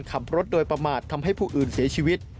ขับรถโดยประมาททำให้ผู้อื่นเสียชีวิต